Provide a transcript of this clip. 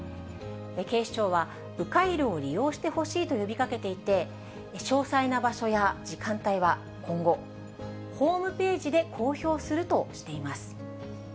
警視庁は、う回路を利用してほしいと呼びかけていて、詳細な場所や時間帯は今後、ホームページで公表するとしています。